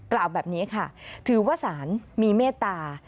กล่าวแบบนี้ค่ะถือว่าสารมีเมตตา